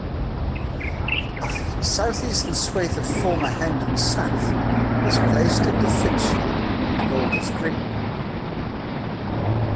A south-eastern swathe of former Hendon South was placed into Finchley and Golders Green.